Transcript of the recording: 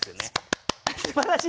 すばらしい。